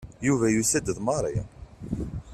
Yuba yusa-d d Mary.